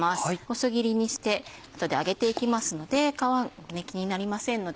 細切りにして後で揚げていきますので皮気になりませんので。